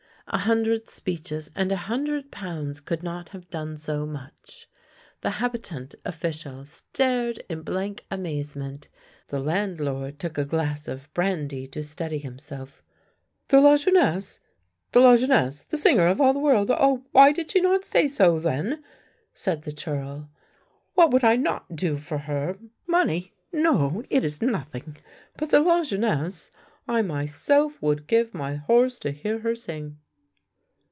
A hundred speeches and a hundred pounds could not THE LANE THAT HAD NO TURNING 53 have done so much. The habitant official stared in blank amazement, the landlord took a rjlass of brandy to steady himself. " The Lajeunesse — the Lajeunesse, the singer of all the world — ah, Why did she not say so then! " said the churl. " What would I not do for her! Money — no, it is nothing, but the Lajeunesse, I myself would give my horse to hear her sing."